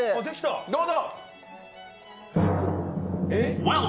どうぞ。